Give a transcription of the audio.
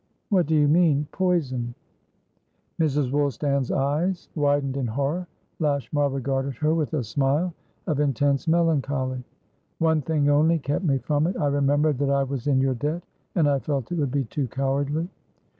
"What do you mean? Poison?" Mrs. Woolstan's eyes widened in horror. Lashmar regarded her with a smile of intense melancholy. "One thing only kept me from it. I remembered that I was in your debt, and I felt it would be too cowardly."